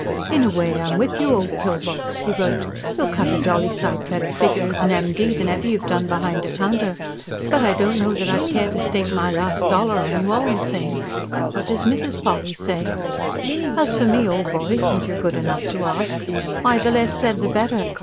IN A WAY I'M WITH YOU, OLD PILL BOX, he wrote. YOU'LL CUT A JOLLY SIGHT BETTER FIGURE AS AN M.D. THEN EVER YOU'VE DONE BEHIND A COUNTER. BUT I DON'T KNOW THAT I'D CARE TO STAKE MY LAST DOLLAR ON YOU ALL THE SAME. WHAT DOES MRS. POLLY SAY? AS FOR ME, OLD BOY, SINCE YOU'RE GOOD ENOUGH TO ASK, WHY THE LESS SAID THE BETTER.